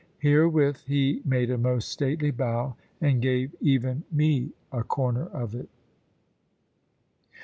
Herewith he made a most stately bow, and gave even me a corner of it.